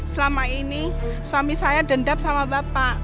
selama ini suami saya dendam sama bapak